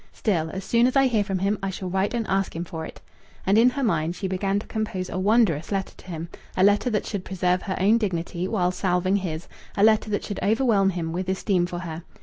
Still, as soon as I hear from him, I shall write and ask him for it." And in her mind she began to compose a wondrous letter to him a letter that should preserve her own dignity while salving his, a letter that should overwhelm him with esteem for her.